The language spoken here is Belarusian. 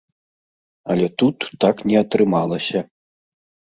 Але тут так не атрымалася.